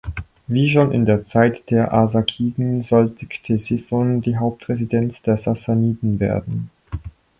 Wie schon in der Zeit der Arsakiden sollte Ktesiphon die Hauptresidenz der Sassaniden werden.